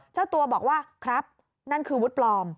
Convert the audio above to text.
เจ้าตัวบอกว่าครับนั่นคือวุฒิปลอม